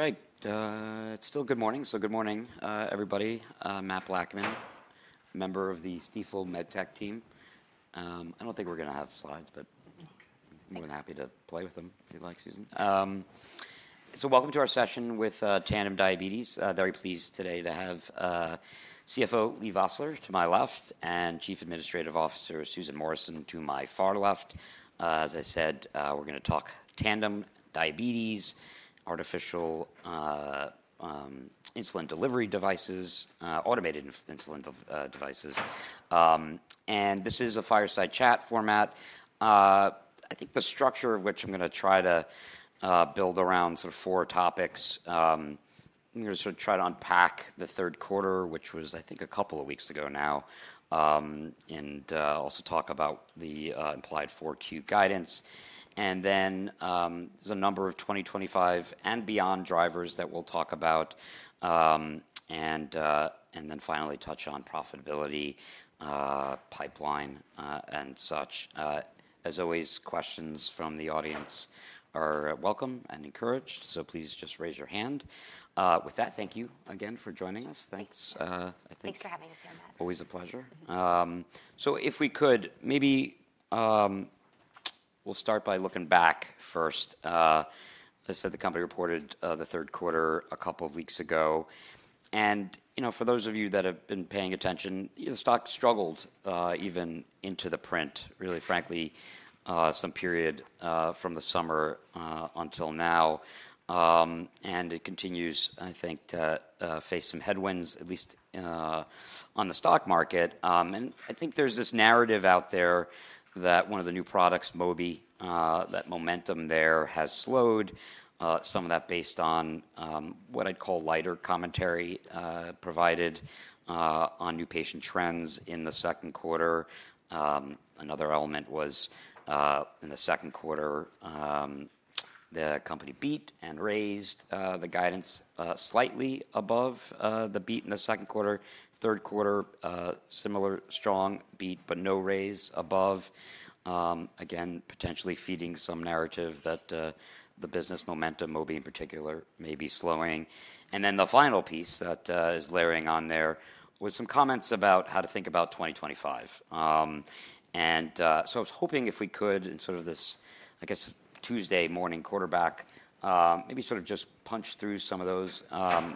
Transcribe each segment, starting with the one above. All right. It's still good morning, so good morning, everybody. Mat Blackman, member of the Stifel MedTech team. I don't think we're going to have slides, but I'm more than happy to play with them if you'd like, Susan. So welcome to our session with Tandem Diabetes. Very pleased today to have CFO Leigh Vosseller to my left and Chief Administrative Officer Susan Morrison to my far left. As I said, we're going to talk Tandem Diabetes, artificial insulin delivery devices, automated insulin devices. This is a fireside chat format. I think the structure of which I'm going to try to build around sort of four topics. I'm going to sort of try to unpack the third quarter, which was, I think, a couple of weeks ago now, and also talk about the implied 4Q guidance. And then there's a number of 2025 and beyond drivers that we'll talk about, and then finally touch on profitability, pipeline, and such. As always, questions from the audience are welcome and encouraged, so please just raise your hand. With that, thank you again for joining us. Thanks. Thanks for having us here, Matt. Always a pleasure, so if we could, maybe we'll start by looking back first. I said the company reported the third quarter a couple of weeks ago, and for those of you that have been paying attention, the stock struggled even into the print, really frankly, some period from the summer until now, and it continues, I think, to face some headwinds, at least on the stock market, and I think there's this narrative out there that one of the new products, Mobi, that momentum there has slowed. Some of that based on what I'd call lighter commentary provided on new patient trends in the second quarter. Another element was in the second quarter, the company beat and raised the guidance slightly above the beat in the second quarter. Third quarter, similar strong beat, but no raise above. Again, potentially feeding some narrative that the business momentum, Mobi in particular, may be slowing. And then the final piece that is layering on there was some comments about how to think about 2025. And so I was hoping if we could in sort of this, I guess, Tuesday morning quarterback, maybe sort of just punch through some of those,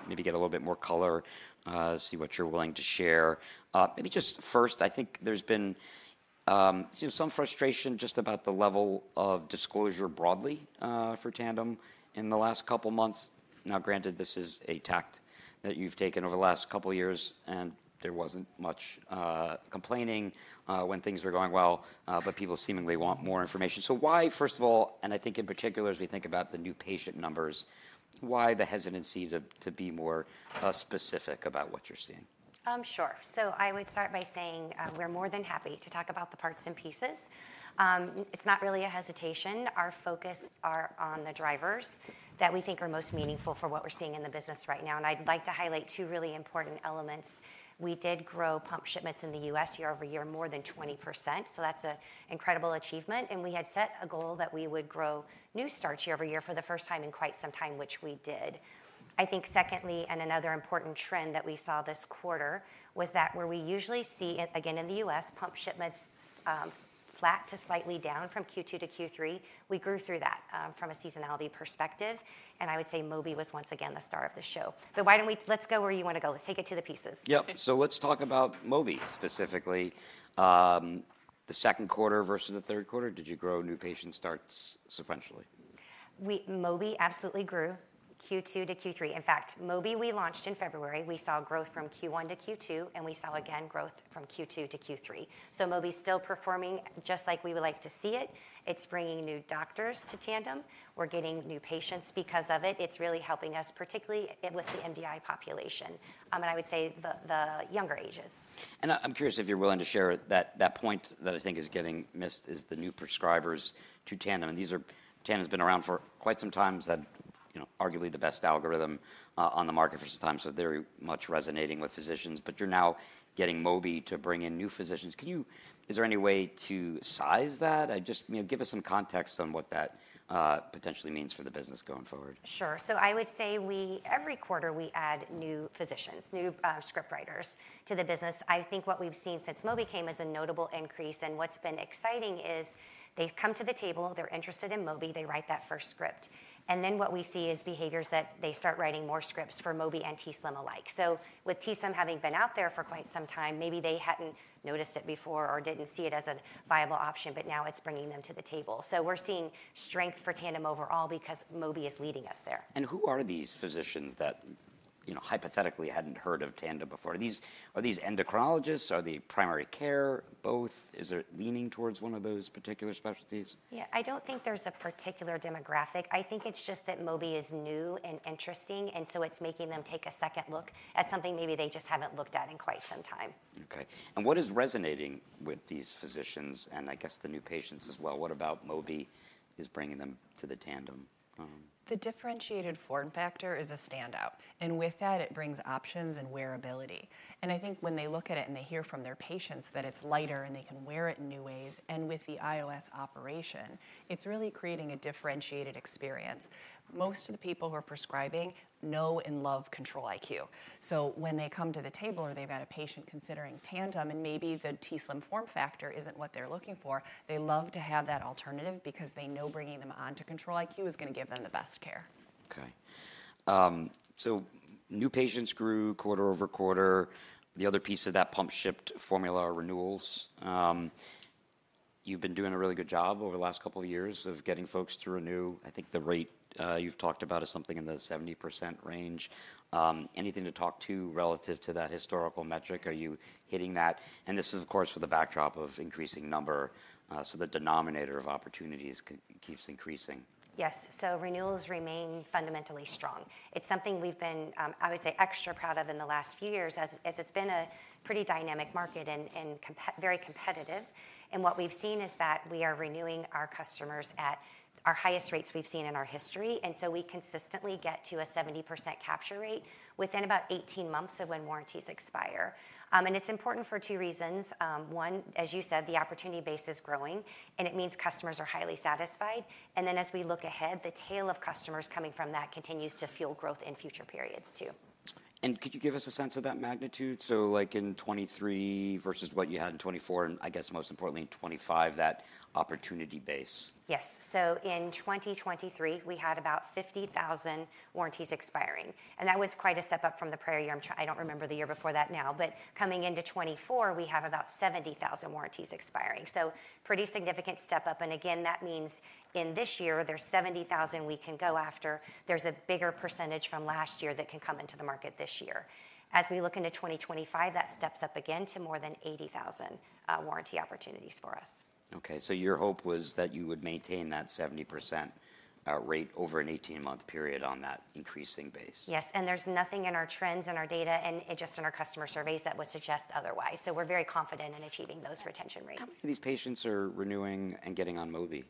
maybe get a little bit more color, see what you're willing to share. Maybe just first, I think there's been some frustration just about the level of disclosure broadly for Tandem in the last couple of months. Now, granted, this is a tack that you've taken over the last couple of years, and there wasn't much complaining when things were going well, but people seemingly want more information. So why, first of all, and I think in particular as we think about the new patient numbers, why the hesitancy to be more specific about what you're seeing? Sure. So I would start by saying we're more than happy to talk about the parts and pieces. It's not really a hesitation. Our focus is on the drivers that we think are most meaningful for what we're seeing in the business right now. And I'd like to highlight two really important elements. We did grow pump shipments in year-over-year more than 20%. So that's an incredible achievement. And we had set a goal that we would grow year-over-year for the first time in quite some time, which we did. I think secondly, and another important trend that we saw this quarter was that where we usually see it again in the U.S., pump shipments flat to slightly down from Q2 to Q3, we grew through that from a seasonality perspective. And I would say Mobi was once again the star of the show. But why don't we, let's go where you want to go. Let's take it to the pieces. Yep. So let's talk about Mobi specifically. The second quarter versus the third quarter, did you grow new patient starts sequentially? Mobi absolutely grew Q2 to Q3. In fact, Mobi, we launched in February, we saw growth from Q1 to Q2, and we saw again growth from Q2 to Q3, so Mobi is still performing just like we would like to see it. It's bringing new doctors to Tandem. We're getting new patients because of it. It's really helping us, particularly with the MDI population, and I would say the younger ages. And I'm curious if you're willing to share that point that I think is getting missed, is the new prescribers to Tandem. And Tandem has been around for quite some time. They had arguably the best algorithm on the market for some time, so very much resonating with physicians. But you're now getting Mobi to bring in new physicians. Is there any way to size that? Just give us some context on what that potentially means for the business going forward. Sure. So I would say every quarter we add new physicians, new script writers to the business. I think what we've seen since Mobi came is a notable increase. And what's been exciting is they've come to the table, they're interested in Mobi, they write that first script. And then what we see is behaviors that they start writing more scripts for Mobi and t:slim alike. So with t:slim having been out there for quite some time, maybe they hadn't noticed it before or didn't see it as a viable option, but now it's bringing them to the table. So we're seeing strength for Tandem overall because Mobi is leading us there. Who are these physicians that hypothetically hadn't heard of Tandem before? Are these endocrinologists? Are they primary care? Both? Is it leaning towards one of those particular specialties? Yeah, I don't think there's a particular demographic. I think it's just that Mobi is new and interesting, and so it's making them take a second look at something maybe they just haven't looked at in quite some time. Okay. And what is resonating with these physicians and I guess the new patients as well? What about Mobi is bringing them to the Tandem? The differentiated form factor is a standout, and with that, it brings options and wearability, and I think when they look at it and they hear from their patients that it's lighter and they can wear it in new ways, and with the iOS operation, it's really creating a differentiated experience. Most of the people who are prescribing know and love Control-IQ. So when they come to the table or they've got a patient considering Tandem and maybe the t:slim form factor isn't what they're looking for, they love to have that alternative because they know bringing them on to Control-IQ is going to give them the best care. Okay. So new patients grew quarter-over-quarter. The other piece of that pump shipped formula renewals. You've been doing a really good job over the last couple of years of getting folks to renew. I think the rate you've talked about is something in the 70% range. Anything to talk to relative to that historical metric? Are you hitting that? This is, of course, with the backdrop of increasing number, so the denominator of opportunities keeps increasing. Yes, so renewals remain fundamentally strong. It's something we've been, I would say, extra proud of in the last few years as it's been a pretty dynamic market and very competitive, and what we've seen is that we are renewing our customers at our highest rates we've seen in our history, so we consistently get to a 70% capture rate within about 18 months of when warranties expire. It's important for two reasons. One, as you said, the opportunity base is growing, and it means customers are highly satisfied. Then as we look ahead, the tail of customers coming from that continues to fuel growth in future periods too. Could you give us a sense of that magnitude? Like in 2023 versus what you had in 2024, and I guess most importantly in 2025, that opportunity base. Yes. So in 2023, we had about 50,000 warranties expiring. And that was quite a step up from the prior year. I don't remember the year before that now. But coming into 2024, we have about 70,000 warranties expiring. So pretty significant step up. And again, that means in this year, there's 70,000 we can go after. There's a bigger percentage from last year that can come into the market this year. As we look into 2025, that steps up again to more than 80,000 warranty opportunities for us. Okay, so your hope was that you would maintain that 70% rate over an 18-month period on that increasing base. Yes, and there's nothing in our trends and our data and just in our customer surveys that would suggest otherwise, so we're very confident in achieving those retention rates. How many of these patients are renewing and getting on Mobi?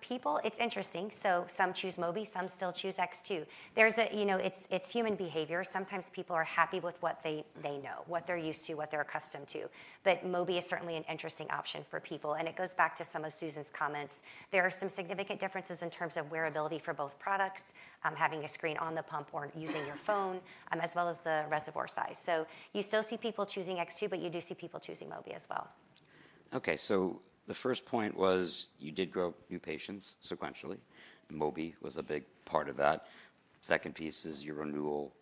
People, it's interesting. So some choose Mobi, some still choose X2. It's human behavior. Sometimes people are happy with what they know, what they're used to, what they're accustomed to. But Mobi is certainly an interesting option for people. And it goes back to some of Susan's comments. There are some significant differences in terms of wearability for both products, having a screen on the pump or using your phone, as well as the reservoir size. So you still see people choosing X2, but you do see people choosing Mobi as well. Okay. So the first point was you did grow new patients sequentially. Mobi was a big part of that. Second piece is your renewal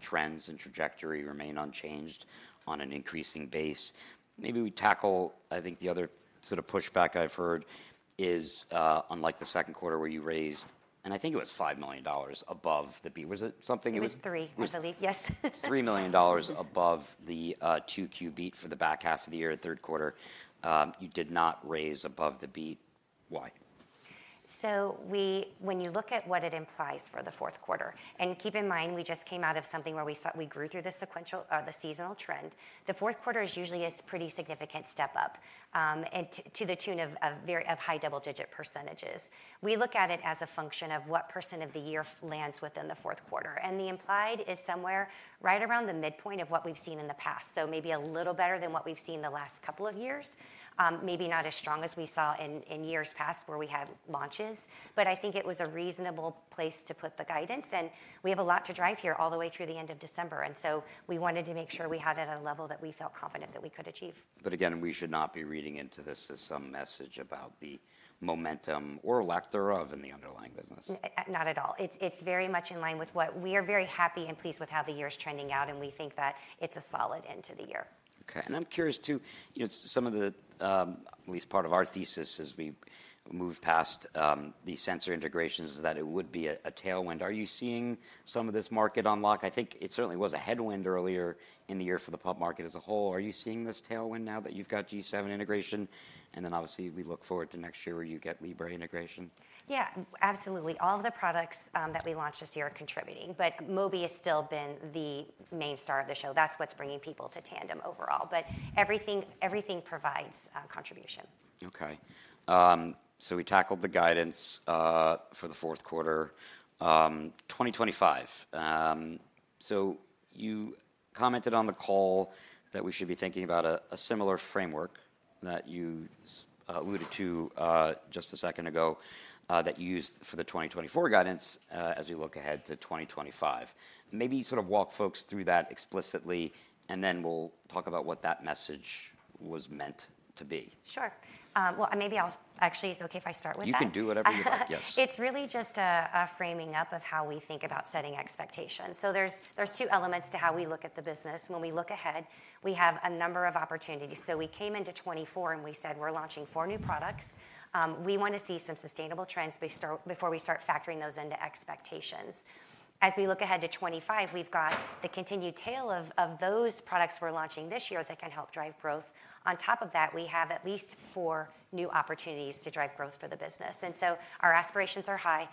trends and trajectory remain unchanged on an increasing base. Maybe we tackle, I think the other sort of pushback I've heard is unlike the second quarter where you raised, and I think it was $5 million above the beat. Was it something? It was three. Was it? Yes. $3 million above the 2Q beat for the back half of the year at third quarter. You did not raise above the beat. Why? So when you look at what it implies for the fourth quarter, and keep in mind, we just came out of something where we grew through the seasonal trend, the fourth quarter is usually a pretty significant step up to the tune of high double-digit percentages. We look at it as a function of what percent of the year lands within the fourth quarter, and the implied is somewhere right around the midpoint of what we've seen in the past, so maybe a little better than what we've seen the last couple of years, maybe not as strong as we saw in years past where we had launches, but I think it was a reasonable place to put the guidance, and we have a lot to drive here all the way through the end of December. We wanted to make sure we had it at a level that we felt confident that we could achieve. But again, we should not be reading into this as some message about the momentum or lack thereof in the underlying business. Not at all. It's very much in line with what we are very happy and pleased with how the year is trending out, and we think that it's a solid end to the year. Okay. And I'm curious too, some of the at least part of our thesis as we move past the sensor integrations is that it would be a tailwind. Are you seeing some of this market unlock? I think it certainly was a headwind earlier in the year for the pump market as a whole. Are you seeing this tailwind now that you've got G7 integration? And then obviously we look forward to next year where you get Libre integration. Yeah, absolutely. All of the products that we launched this year are contributing. But Mobi has still been the main star of the show. That's what's bringing people to Tandem overall. But everything provides contribution. Okay. So we tackled the guidance for the fourth quarter, 2025. So you commented on the call that we should be thinking about a similar framework that you alluded to just a second ago that you used for the 2024 guidance as we look ahead to 2025. Maybe sort of walk folks through that explicitly, and then we'll talk about what that message was meant to be. Sure. Well, maybe I'll actually. Is it okay if I start with that? You can do whatever you like. Yes. It's really just a framing up of how we think about setting expectations. So there's two elements to how we look at the business. When we look ahead, we have a number of opportunities. So we came into 2024 and we said we're launching four new products. We want to see some sustainable trends before we start factoring those into expectations. As we look ahead to 2025, we've got the continued tail of those products we're launching this year that can help drive growth. On top of that, we have at least four new opportunities to drive growth for the business. And so our aspirations are high.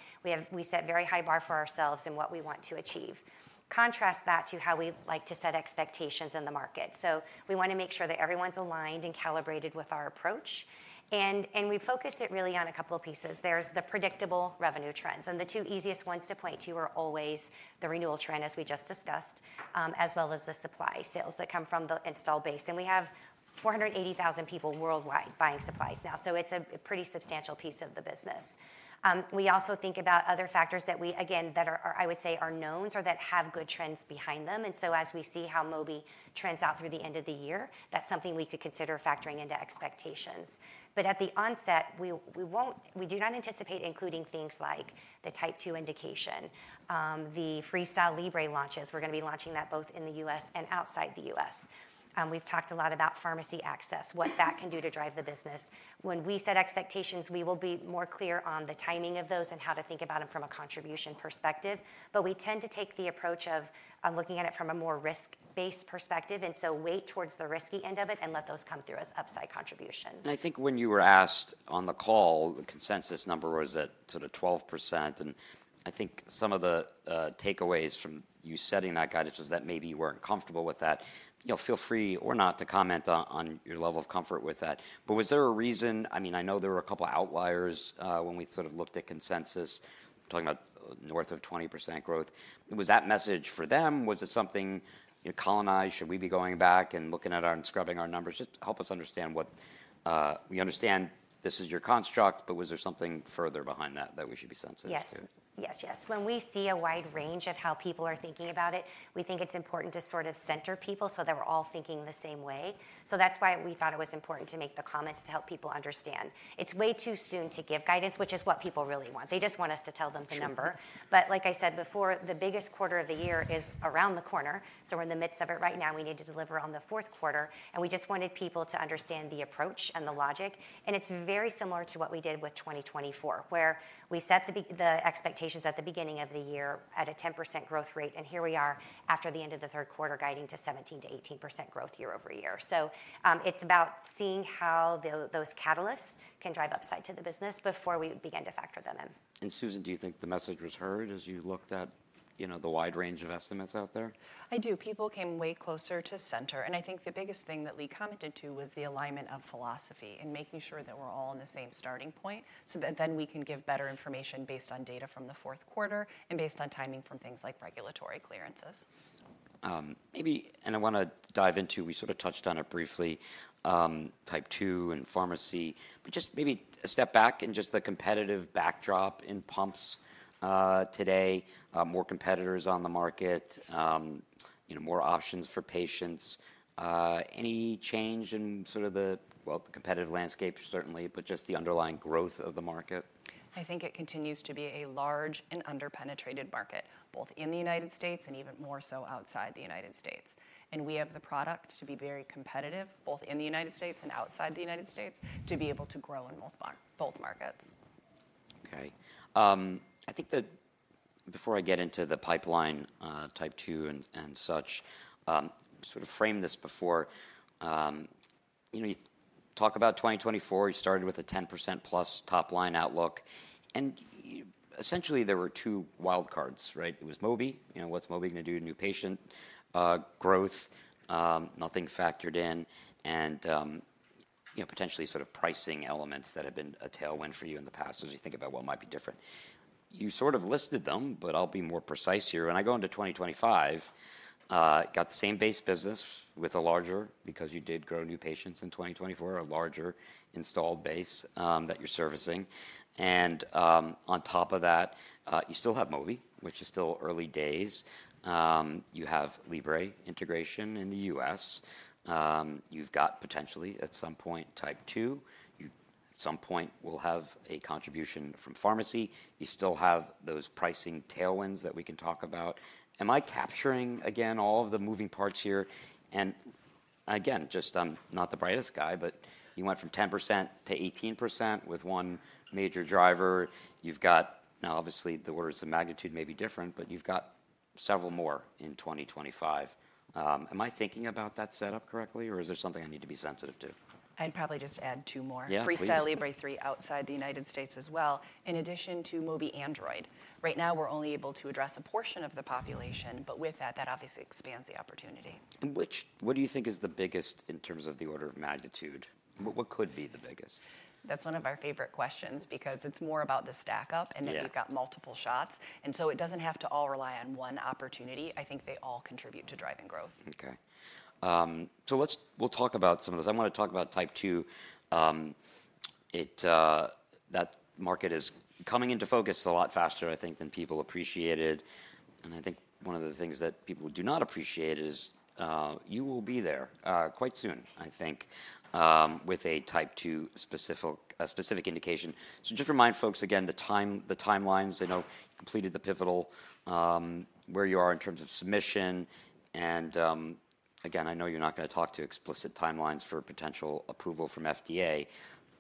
We set a very high bar for ourselves in what we want to achieve. Contrast that to how we like to set expectations in the market. So we want to make sure that everyone's aligned and calibrated with our approach. We focus it really on a couple of pieces. There's the predictable revenue trends. The two easiest ones to point to are always the renewal trend, as we just discussed, as well as the supply sales that come from the install base. We have 480,000 people worldwide buying supplies now. So it's a pretty substantial piece of the business. We also think about other factors that we, again, that I would say are knowns or that have good trends behind them. So as we see how Mobi trends out through the end of the year, that's something we could consider factoring into expectations. But at the onset, we do not anticipate including things like Type 2 indication, the FreeStyle Libre launches. We're going to be launching that both in the U.S. and outside the U.S. We've talked a lot about pharmacy access, what that can do to drive the business. When we set expectations, we will be more clear on the timing of those and how to think about them from a contribution perspective. But we tend to take the approach of looking at it from a more risk-based perspective, and so weigh towards the risky end of it and let those come through as upside contributions. And I think when you were asked on the call, the consensus number was at sort of 12%. And I think some of the takeaways from you setting that guidance was that maybe you weren't comfortable with that. Feel free or not to comment on your level of comfort with that. But was there a reason? I mean, I know there were a couple of outliers when we sort of looked at consensus, talking about north of 20% growth. Was that message for them? Was it something else? Should we be going back and looking at ours and scrubbing our numbers? Just help us understand what we understand. This is your construct, but was there something further behind that that we should be sensitive to? Yes. Yes. Yes. When we see a wide range of how people are thinking about it, we think it's important to sort of center people so they're all thinking the same way. So that's why we thought it was important to make the comments to help people understand. It's way too soon to give guidance, which is what people really want. They just want us to tell them the number. But like I said before, the biggest quarter of the year is around the corner. So we're in the midst of it right now. We need to deliver on the fourth quarter. And we just wanted people to understand the approach and the logic. And it's very similar to what we did with 2024, where we set the expectations at the beginning of the year at a 10% growth rate. Here we are after the end of the third quarter guiding to year-over-year. it's about seeing how those catalysts can drive upside to the business before we begin to factor them in. Susan, do you think the message was heard as you looked at the wide range of estimates out there? I do. People came way closer to center. And I think the biggest thing that Leigh commented to was the alignment of philosophy and making sure that we're all in the same starting point so that then we can give better information based on data from the fourth quarter and based on timing from things like regulatory clearances. Maybe, and I want to dive into, we sort of touched on it briefly, Type 2 and pharmacy, but just maybe a step back and just the competitive backdrop in pumps today, more competitors on the market, more options for patients. Any change in sort of the, well, the competitive landscape certainly, but just the underlying growth of the market? I think it continues to be a large and underpenetrated market, both in the United States and even more so outside the United States. And we have the product to be very competitive both in the United States and outside the United States to be able to grow in both markets. Okay. I think that before I get into the pipeline, Type 2 and such, sort of frame this before. You talk about 2024. You started with a 10%+ top line outlook, and essentially there were two wild cards, right? It was Mobi. What's Mobi going to do to new patient growth? Nothing factored in, and potentially sort of pricing elements that have been a tailwind for you in the past as you think about what might be different. You sort of listed them, but I'll be more precise here. When I go into 2025, got the same base business with a larger because you did grow new patients in 2024, a larger installed base that you're servicing, and on top of that, you still have Mobi, which is still early days. You have Libre integration in the U.S. You've got potentially at some point Type 2. At some point, we'll have a contribution from pharmacy. You still have those pricing tailwinds that we can talk about. Am I capturing again all of the moving parts here? And again, just I'm not the brightest guy, but you went from 10% to 18% with one major driver. You've got, now obviously the words, the magnitude may be different, but you've got several more in 2025. Am I thinking about that setup correctly or is there something I need to be sensitive to? I'd probably just add two more. FreeStyle Libre 3 outside the United States as well, in addition to Mobi Android. Right now, we're only able to address a portion of the population, but with that, that obviously expands the opportunity. And what do you think is the biggest in terms of the order of magnitude? What could be the biggest? That's one of our favorite questions because it's more about the stack up and then you've got multiple shots, and so it doesn't have to all rely on one opportunity. I think they all contribute to driving growth. Okay, so we'll talk about some of those. I want to talk about Type 2. That market is coming into focus a lot faster, I think, than people appreciated, and I think one of the things that people do not appreciate is you will be there quite soon, I think, with a Type 2 specific indication, so just remind folks again the timelines. I know you completed the pivotal, where you are in terms of submission, and again, I know you're not going to talk to explicit timelines for potential approval from FDA,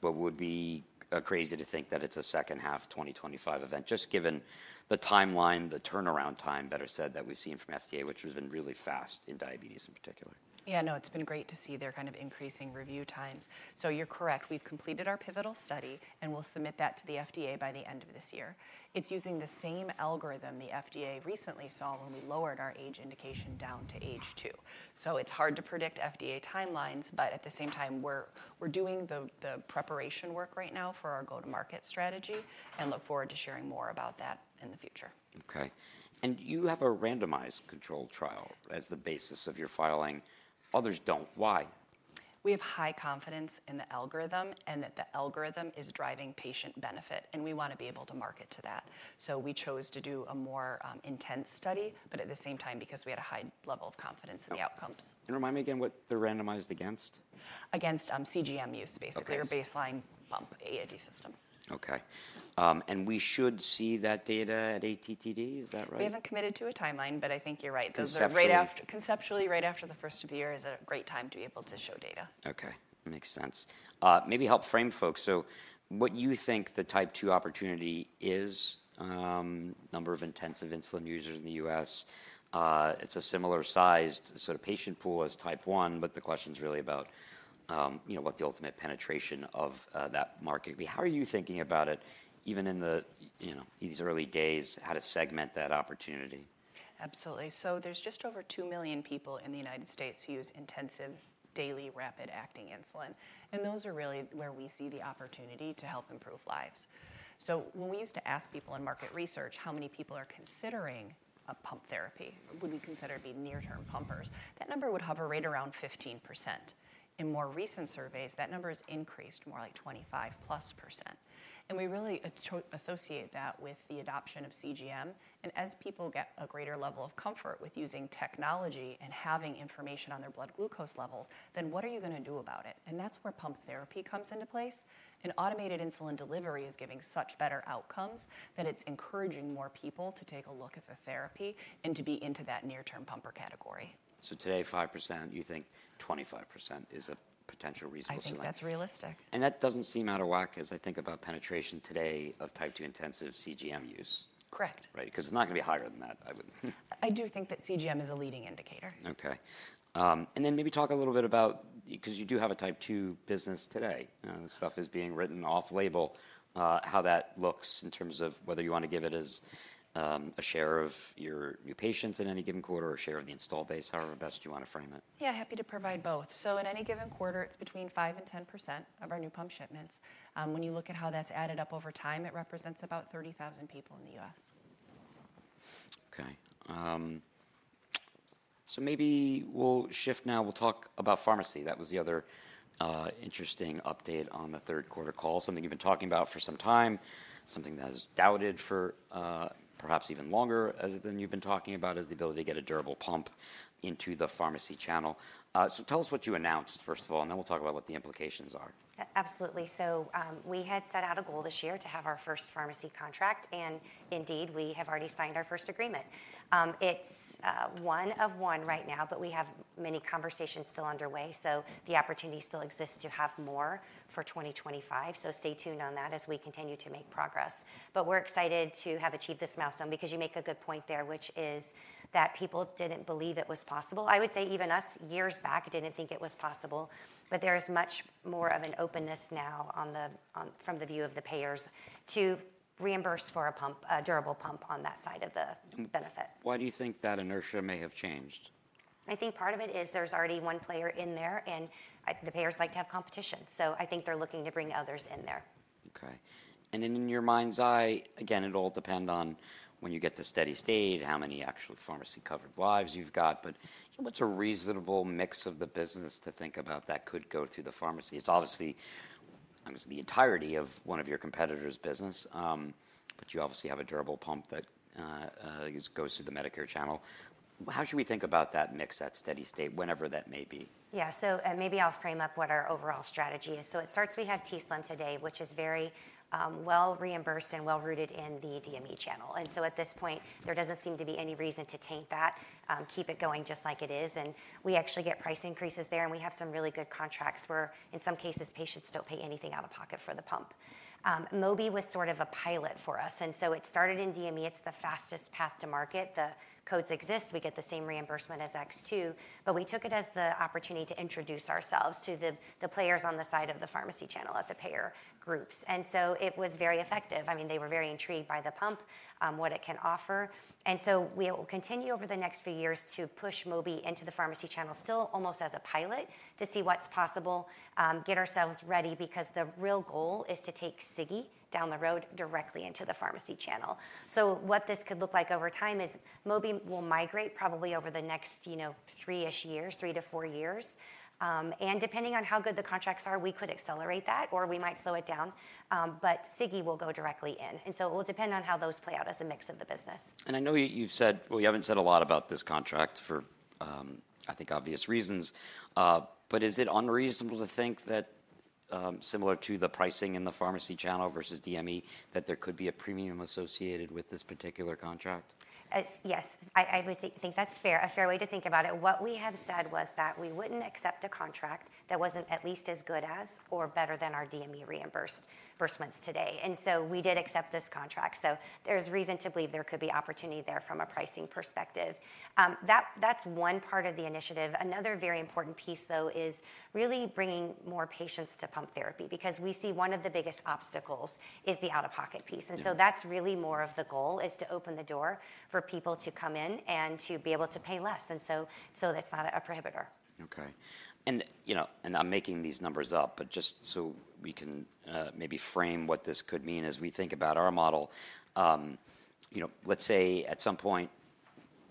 but it would be crazy to think that it's a second half 2025 event, just given the timeline, the turnaround time better said that we've seen from FDA, which has been really fast in diabetes in particular. Yeah, no, it's been great to see their kind of increasing review times. So you're correct. We've completed our pivotal study and we'll submit that to the FDA by the end of this year. It's using the same algorithm the FDA recently saw when we lowered our age indication down to age two. So it's hard to predict FDA timelines, but at the same time, we're doing the preparation work right now for our go-to-market strategy and look forward to sharing more about that in the future. Okay. And you have a randomized controlled trial as the basis of your filing. Others don't. Why? We have high confidence in the algorithm and that the algorithm is driving patient benefit, and we want to be able to market to that, so we chose to do a more intense study, but at the same time, because we had a high level of confidence in the outcomes. Remind me again what they're randomized against? Against CGM use, basically, or baseline pump AID system. Okay. And we should see that data at ATTD, is that right? We haven't committed to a timeline, but I think you're right. Conceptually, right after the first of the year is a great time to be able to show data. Okay. Makes sense. Maybe help frame folks. So what you think the Type 2 opportunity is, number of intensive insulin users in the U.S. It's a similar sized sort of patient pool as Type 1, but the question's really about what the ultimate penetration of that market would be. How are you thinking about it even in these early days, how to segment that opportunity? Absolutely. So there's just over two million people in the United States who use intensive daily rapid acting insulin. And those are really where we see the opportunity to help improve lives. So when we used to ask people in market research how many people are considering a pump therapy, would we consider it to be near-term pumpers, that number would hover right around 15%. In more recent surveys, that number has increased more like 25+%. And we really associate that with the adoption of CGM. And as people get a greater level of comfort with using technology and having information on their blood glucose levels, then what are you going to do about it? And that's where pump therapy comes into place. Automated insulin delivery is giving such better outcomes that it's encouraging more people to take a look at the therapy and to be into that near-term pumper category. So today 5%, you think 25% is a potential resource? I think that's realistic. That doesn't seem out of whack as I think about penetration today of Type 2 intensive CGM use. Correct. Right? Because it's not going to be higher than that. I do think that CGM is a leading indicator. Okay. And then maybe talk a little bit about, because you do have a Type 2 business today. This stuff is being written off-label, how that looks in terms of whether you want to give it as a share of your new patients in any given quarter or a share of the installed base, however best you want to frame it. Yeah, happy to provide both. So in any given quarter, it's between 5%-10% of our new pump shipments. When you look at how that's added up over time, it represents about 30,000 people in the U.S. Okay. So maybe we'll shift now. We'll talk about pharmacy. That was the other interesting update on the third quarter call, something you've been talking about for some time, something that is doubted for perhaps even longer than you've been talking about is the ability to get a durable pump into the pharmacy channel. So tell us what you announced, first of all, and then we'll talk about what the implications are. Absolutely. So we had set out a goal this year to have our first pharmacy contract. And indeed, we have already signed our first agreement. It's one of one right now, but we have many conversations still underway. So the opportunity still exists to have more for 2025. So stay tuned on that as we continue to make progress. But we're excited to have achieved this milestone because you make a good point there, which is that people didn't believe it was possible. I would say even us years back didn't think it was possible. But there is much more of an openness now from the view of the payers to reimburse for a durable pump on that side of the benefit. Why do you think that inertia may have changed? I think part of it is there's already one player in there and the payers like to have competition, so I think they're looking to bring others in there. Okay. And then in your mind's eye, again, it'll depend on when you get to steady state, how many actually pharmacy covered lives you've got. But what's a reasonable mix of the business to think about that could go through the pharmacy? It's obviously the entirety of one of your competitors' business, but you obviously have a durable pump that goes through the Medicare channel. How should we think about that mix, that steady state, whenever that may be? Yeah. So maybe I'll frame up what our overall strategy is. So it starts, we have t:slim today, which is very well reimbursed and well rooted in the DME channel. And so at this point, there doesn't seem to be any reason to taint that, keep it going just like it is. And we actually get price increases there. And we have some really good contracts where in some cases, patients don't pay anything out of pocket for the pump. Mobi was sort of a pilot for us. And so it started in DME. It's the fastest path to market. The codes exist. We get the same reimbursement as X2, but we took it as the opportunity to introduce ourselves to the players on the side of the pharmacy channel at the payer groups. And so it was very effective. I mean, they were very intrigued by the pump, what it can offer. And so we will continue over the next few years to push Mobi into the pharmacy channel, still almost as a pilot to see what's possible, get ourselves ready because the real goal is to take Sigi down the road directly into the pharmacy channel. So what this could look like over time is Mobi will migrate probably over the next three-ish years, three to four years. And depending on how good the contracts are, we could accelerate that or we might slow it down. But Sigi will go directly in. And so it will depend on how those play out as a mix of the business. And I know you've said, well, you haven't said a lot about this contract for, I think, obvious reasons. But is it unreasonable to think that similar to the pricing in the pharmacy channel versus DME, that there could be a premium associated with this particular contract? Yes, I think that's fair, a fair way to think about it. What we have said was that we wouldn't accept a contract that wasn't at least as good as or better than our DME reimbursements today, and so we did accept this contract, so there's reason to believe there could be opportunity there from a pricing perspective. That's one part of the initiative. Another very important piece, though, is really bringing more patients to pump therapy because we see one of the biggest obstacles is the out-of-pocket piece, and so that's really more of the goal is to open the door for people to come in and to be able to pay less, and so that's not a prohibitor. Okay. And I'm making these numbers up, but just so we can maybe frame what this could mean as we think about our model. Let's say at some point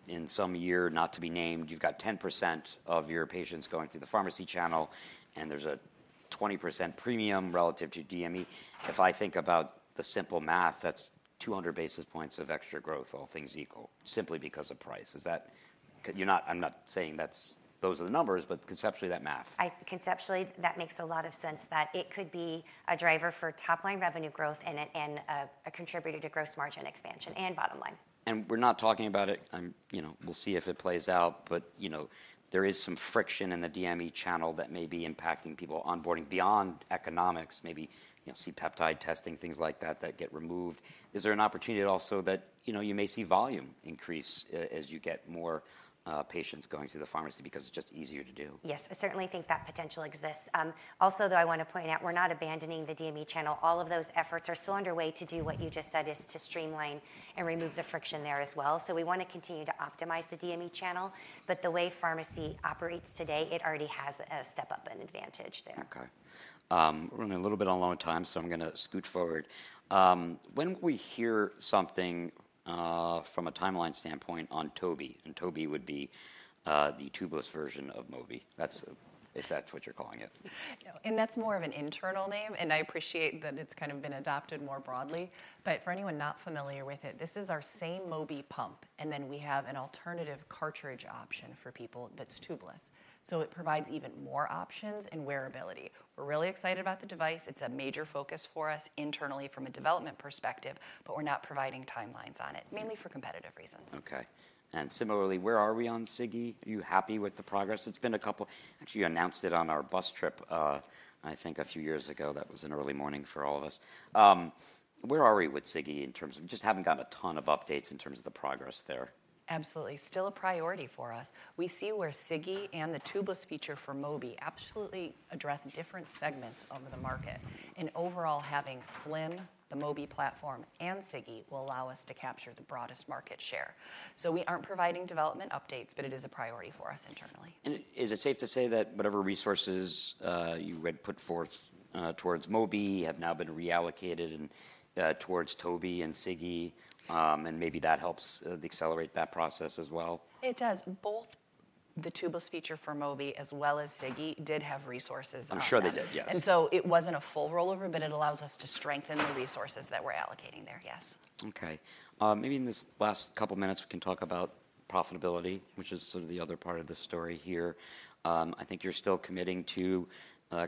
in some year, not to be named, you've got 10% of your patients going through the pharmacy channel and there's a 20% premium relative to DME. If I think about the simple math, that's 200 basis points of extra growth, all things equal, simply because of price. I'm not saying those are the numbers, but conceptually that math. Conceptually, that makes a lot of sense that it could be a driver for top line revenue growth and a contributor to gross margin expansion and bottom line. We're not talking about it. We'll see if it plays out, but there is some friction in the DME channel that may be impacting people onboarding beyond economics, maybe C-peptide testing, things like that that get removed. Is there an opportunity also that you may see volume increase as you get more patients going through the pharmacy because it's just easier to do? Yes, I certainly think that potential exists. Also, though, I want to point out, we're not abandoning the DME channel. All of those efforts are still underway to do what you just said is to streamline and remove the friction there as well. So we want to continue to optimize the DME channel, but the way pharmacy operates today, it already has a step up, an advantage there. Okay. We're running a little bit on our time, so I'm going to scoot forward. When we hear something from a timeline standpoint on Mobi, and Mobi would be the tubeless version of Mobi, if that's what you're calling it. That's more of an internal name, and I appreciate that it's kind of been adopted more broadly. For anyone not familiar with it, this is our same Mobi pump, and then we have an alternative cartridge option for people that's tubeless. It provides even more options and wearability. We're really excited about the device. It's a major focus for us internally from a development perspective, but we're not providing timelines on it, mainly for competitive reasons. Okay. And similarly, where are we on Sigi? Are you happy with the progress? It's been a couple actually. You announced it on our bus trip, I think a few years ago. That was an early morning for all of us. Where are we with Sigi in terms of just haven't gotten a ton of updates in terms of the progress there? Absolutely. Still a priority for us. We see where Sigi and the tubeless feature for Mobi absolutely address different segments of the market. And overall, having t:slim, the Mobi platform, and Sigi will allow us to capture the broadest market share. So we aren't providing development updates, but it is a priority for us internally. Is it safe to say that whatever resources you had put forth towards Mobi have now been reallocated towards Mobi and Sigi? Maybe that helps accelerate that process as well? It does. Both the tubeless feature for Mobi as well as Sigi did have resources on. I'm sure they did, yes. And so it wasn't a full rollover, but it allows us to strengthen the resources that we're allocating there, yes. Okay. Maybe in this last couple of minutes, we can talk about profitability, which is sort of the other part of the story here. I think you're still committing to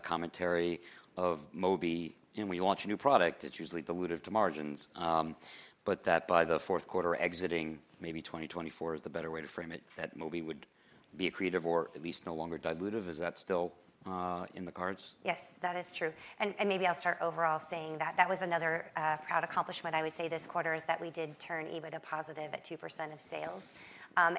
commentary of Mobi, and when you launch a new product, it's usually dilutive to margins, but that by the fourth quarter exiting, maybe 2024 is the better way to frame it, that Mobi would be accretive or at least no longer dilutive. Is that still in the cards? Yes, that is true, and maybe I'll start overall saying that that was another proud accomplishment. I would say this quarter is that we did turn EBITDA positive at 2% of sales,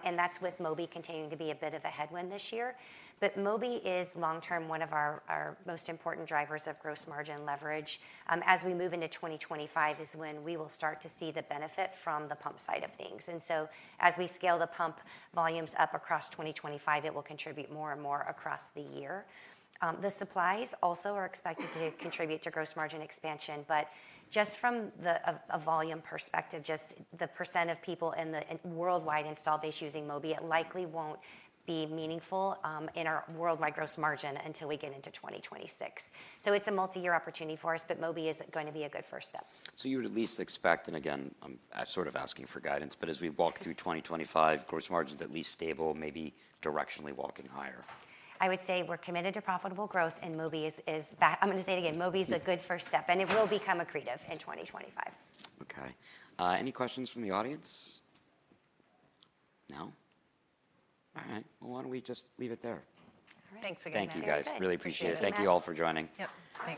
and that's with Mobi continuing to be a bit of a headwind this year. But Mobi is long-term one of our most important drivers of gross margin leverage. As we move into 2025 is when we will start to see the benefit from the pump side of things, and so as we scale the pump volumes up across 2025, it will contribute more and more across the year. The supplies also are expected to contribute to gross margin expansion, but just from a volume perspective, just the percent of people in the worldwide install base using Mobi, it likely won't be meaningful in our worldwide gross margin until we get into 2026. So it's a multi-year opportunity for us, but Mobi is going to be a good first step. So you would at least expect, and again, I'm sort of asking for guidance, but as we walk through 2025, gross margins at least stable, maybe directionally walking higher. I would say we're committed to profitable growth, and Mobi is back. I'm going to say it again. Mobi is a good first step, and it will become accretive in 2025. Okay. Any questions from the audience? No? All right. Well, why don't we just leave it there? Thanks again. Thank you guys. Really appreciate it. Thank you all for joining. Yep.